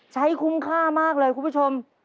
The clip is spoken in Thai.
คุ้มค่ามากเลยคุณผู้ชม